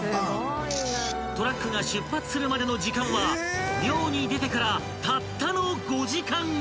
［トラックが出発するまでの時間は漁に出てからたったの５時間後］